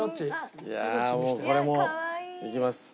いやあもうこれもいきます。